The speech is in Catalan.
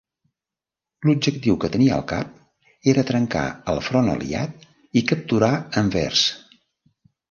L'objectiu que tenia al cap era trencar el front Aliat i capturar Anvers.